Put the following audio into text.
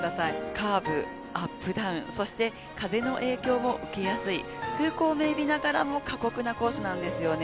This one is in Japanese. カーブ、アップダウン、そして風の影響も受けやすい風光明媚ながらも過酷なコースなんですよね。